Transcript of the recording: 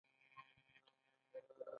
د سوداګرۍ وزارت د تجارانو لپاره څه کوي؟